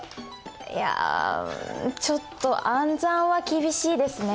いやちょっと暗算は厳しいですね。